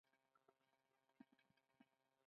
د احمد په فطرت کې پټه نشته، هره خبره پاکه صافه کوي.